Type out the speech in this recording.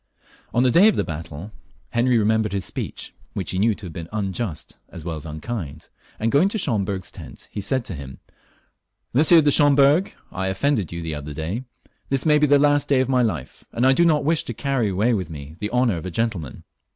On the day of the battle Henry remembered this speech, which he knew to have been unjust, as well as unkind, and going to Schomberg's tent, he said to him, " M. de Schomberg, I offended you the other day ; this may be the last day of my Hfe, and I do not wish to carry away with me the honour of a gentleman.